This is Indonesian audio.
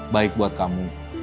baik buat kamu